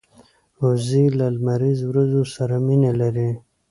وزې له لمریز ورځو سره مینه لري